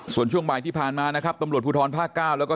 ส่วนช่วงบ่ายที่ผ่านมานะครับตำรวจภูทรภาคเก้าแล้วก็